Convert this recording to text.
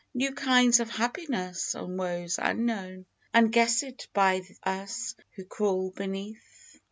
New kinds of happiness, and woes unknown, Unguess*d by us, who crawl beneath